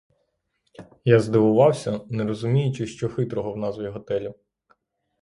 Я здивувався, не розуміючи, що хитрого в назві готелю.